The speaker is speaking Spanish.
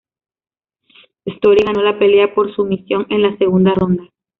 Story ganó la pelea por sumisión en la segunda ronda.